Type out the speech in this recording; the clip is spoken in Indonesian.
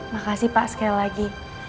makasih pak sekali lagi